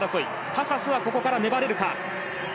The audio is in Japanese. カサスはここから粘れるか。